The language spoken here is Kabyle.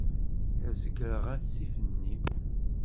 La zeggreɣ asif-nni.